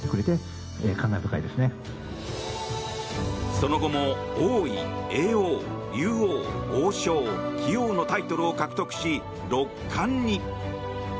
その後も王位、叡王、竜王、王将、棋王のタイトルを獲得し六冠に。